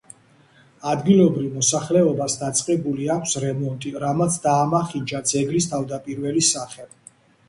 ადგილობრივ მოსახლეობას დაწყებული აქვს რემონტი, რამაც დაამახინჯა ძეგლის თავდაპირველი სახე.